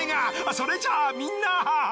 それじゃあみんな。